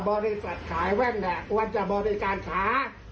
บริษัทขายแว่นเนี่ยควรจะบริการช้า